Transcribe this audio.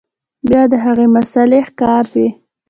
بيا د هغې مسئلې ښکار وي